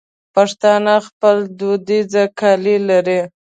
پښتانه خپل دودیز کالي لري.